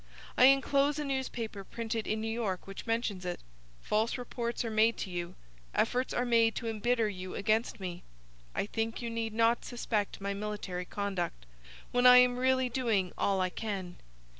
I enclose a newspaper printed in New York which mentions it. False reports are made to you. Efforts are made to embitter you against me. I think you need not suspect my military conduct, when I am really doing all I can.